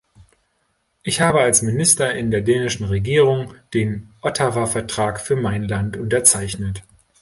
Ich habe als Minister in der dänischen Regierung den Ottawa-Vertrag für mein Land unterzeichnet.